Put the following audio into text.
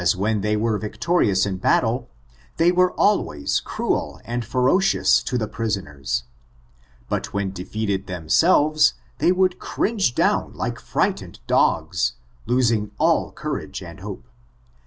245 : I ' I ' when they were victorious ia battle, they were al ways cruel and ferocious to the prisoners; but when defeated themselves, they would cringe down liko frightened dogs, losing all courage and hope.